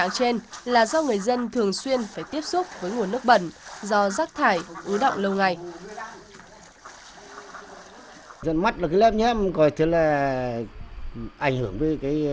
trên là do người dân thường xuyên phải tiếp xúc với nguồn nước bẩn do rác thải ứ động lâu ngày